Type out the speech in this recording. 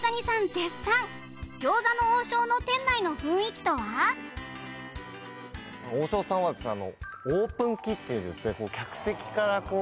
絶賛餃子の王将の店内の雰囲気とは王将はですね